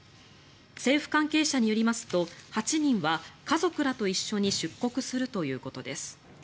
政府関係者によりますと８人は家族らと一緒に出国するということです。